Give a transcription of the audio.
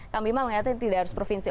kamu memang mengatakan tidak harus provinsi